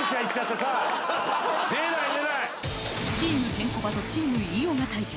チームケンコバとチーム飯尾が対決